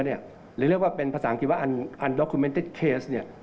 หรือเรียกว่าเป็นภาษาอันดรอคูเมนเต็ดเคส